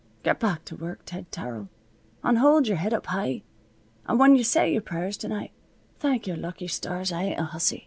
Get back to work, Ted Terrill, and hold yer head up high, and when yuh say your prayers to night, thank your lucky stars I ain't a hussy."